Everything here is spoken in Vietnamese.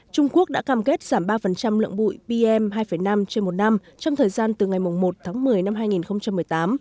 trung quốc đã cam kết giảm ba lượng bụi pm hai năm trên một năm trong thời gian từ ngày một tháng một mươi năm hai nghìn một mươi tám